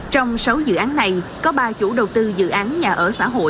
trong sáu dự án này có ba chủ đầu tư dự án nhà ở xã hội